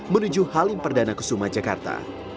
menuju halim perdana ke sumajakarta